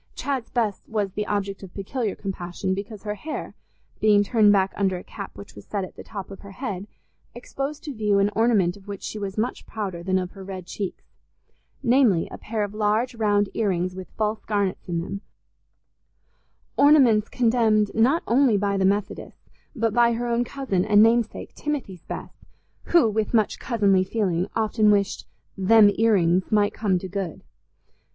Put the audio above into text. Chad's Bess was the object of peculiar compassion, because her hair, being turned back under a cap which was set at the top of her head, exposed to view an ornament of which she was much prouder than of her red cheeks—namely, a pair of large round ear rings with false garnets in them, ornaments condemned not only by the Methodists, but by her own cousin and namesake Timothy's Bess, who, with much cousinly feeling, often wished "them ear rings" might come to good.